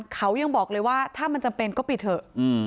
เขายังบอกเลยว่าถ้ามันจำเป็นก็ปิดเถอะ